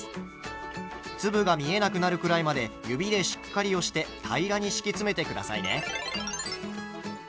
粒が見えなくなるくらいまで指でしっかり押して平らに敷き詰めて下さいね。